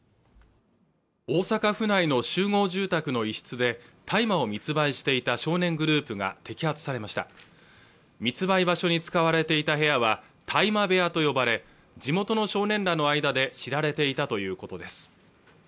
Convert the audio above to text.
大阪府内の集合住宅の一室で大麻を密売していた少年グループが摘発されました密売場所に使われていた部屋は大麻部屋と呼ばれ地元の少年らの間で知られていたということです